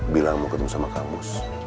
bilang mau ketemu sama kamus